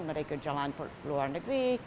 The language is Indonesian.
mereka jalan luar negeri